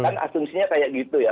kan asumsinya kayak gitu ya